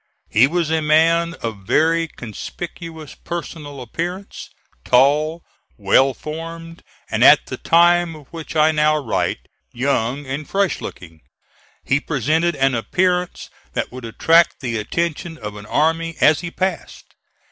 He was a man of very conspicuous personal appearance. Tall, well formed and, at the time of which I now write, young and fresh looking, he presented an appearance that would attract the attention of an army as he passed.